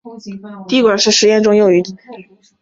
滴管是实验室中用于转移少量液体的器皿。